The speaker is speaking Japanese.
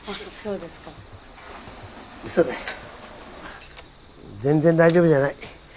うそだ全然大丈夫じゃない。